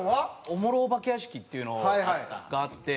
おもろおばけ屋敷っていうのがあって。